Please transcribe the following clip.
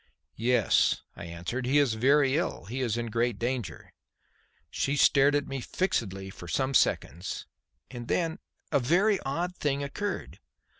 "Yes," I answered, "he is very ill. He is in great danger." She still stared at me fixedly for some seconds. And then a very odd thing occurred.